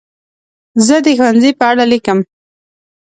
زه د ښوونځي په اړه لیکم.